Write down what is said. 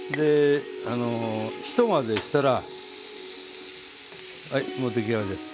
ひと混ぜしたらはいもう出来上がりです。